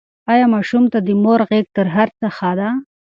ایا ماشوم ته د مور غېږ تر هر څه ښه ده؟